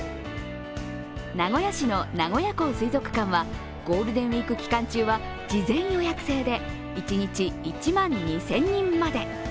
名古屋市の名古屋港水族館はゴールデンウイーク期間中は、事前予約制で一日１万２０００人まで。